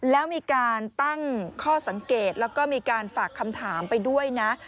แล้วมีการตั้งข้อสังเกตแล้วก็มีการฝากคำถามไปด้วยนะ